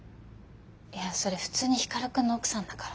いやそれ普通に光くんの奥さんだから。